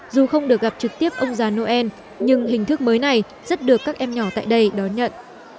dù không được gặp trực tiếp ông già noel nhưng hình thức mới này rất được các em nhỏ tại đây đón nhận